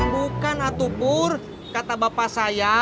bukan atu pur kata bapak saya